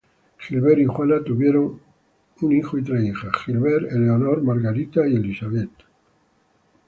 Gilbert y Juana tuvieron un hijo y tres hijas: Gilbert, Eleanor, Margaret y Elizabeth.